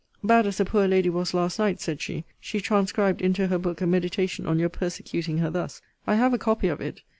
Bad as the poor lady was last night, said she, she transcribed into her book a meditation on your persecuting her thus. I have a copy of it.